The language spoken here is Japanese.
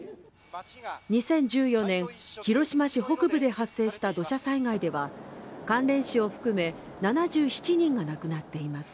２０１４年、広島市北部で発生した土砂災害では関連死を含め７７人が亡くなっています。